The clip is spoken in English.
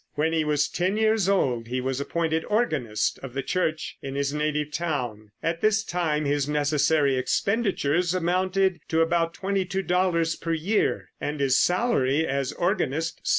When he was ten years old he was appointed organist of the Church in his native town. At this time his necessary expenditures amounted to about $22 per year, and his salary as organist $7.